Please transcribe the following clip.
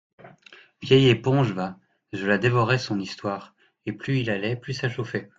Vieille éponge, va ! je la dévorais, son histoire ! «Et plus il allait, plus ça chauffait.